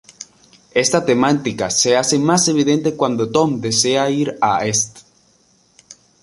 Esta temática se hace más evidente cuando Tom desea ir a St.